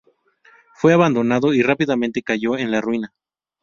Fue abandonado y rápidamente cayó en la ruina.